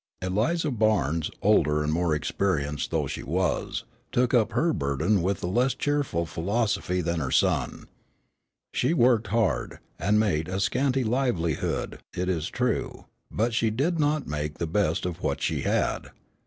Eliza Barnes, older and more experienced though she was, took up her burden with a less cheerful philosophy than her son. She worked hard, and made a scanty livelihood, it is true, but she did not make the best of what she had.